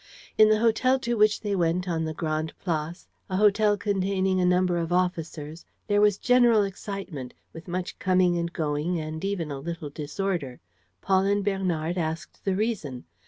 In the hotel to which they went on the Grande Place, a hotel containing a number of officers, there was general excitement, with much coming and going and even a little disorder. Paul and Bernard asked the reason.